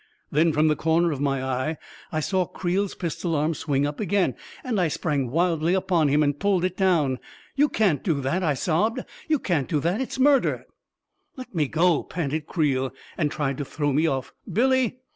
Then, from the corner of my eye, I saw Creel's pistol arm swing up again ; and I sprang wildly upon him and pulled it down. " You can't do that I " I sobbed. u You can't do that! It's murder!" " Let me go !" panted Creel, and tried to throw me off. " Billy